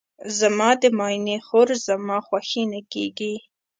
زما د ماینې خور زما خوښینه کیږي.